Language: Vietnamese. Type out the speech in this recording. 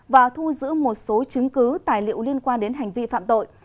và thu giữ một số chứng cứ tài liệu liên quan đến hành vi phạm tội